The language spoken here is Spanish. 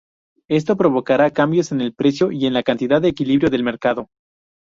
Esto provocará cambios en el precio y en la cantidad de equilibrio del mercado.